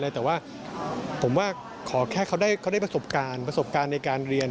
แต่ว่าผมว่าขอแค่เขาได้ประสบการณ์ในการเรียน